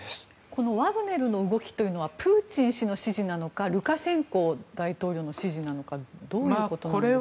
このワグネルの動きはプーチン氏の指示なのかルカシェンコ大統領の指示なのかどういうことなんでしょうか。